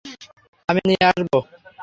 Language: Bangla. আমি নিয়ে আসবো?